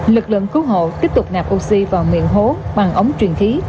lực lượng cứu hộ tiếp tục nạp oxy vào miệng hố bằng ống truyền khí